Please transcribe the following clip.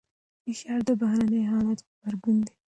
فشار د بهرني حالت غبرګون دی.